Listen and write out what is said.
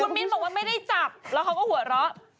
มิ้นบอกว่าไม่ได้จับแล้วเขาก็หัวเราะ